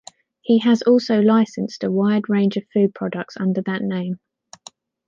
He has also licensed a wide range of food products under that name.